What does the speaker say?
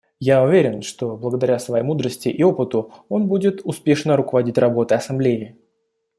Я уверен, что благодаря своей мудрости и опыту он будет успешно руководить работой Ассамблеи.